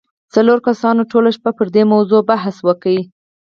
څلورو کسانو ټوله شپه پر دې موضوع بحث وکړ